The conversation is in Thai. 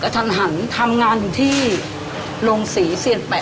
คือพ่อเป็นจับกังอยู่กับรงศรีของเซียนแท้